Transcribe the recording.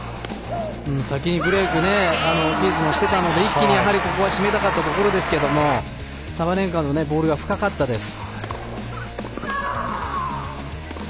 先にブレークキーズもしていたので一気に、ここは締めたかったところですけどもサバレンカのボールが深かったです。